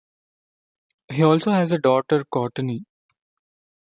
He also has a daughter Courtney.